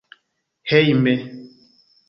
hejme